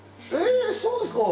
そうですか？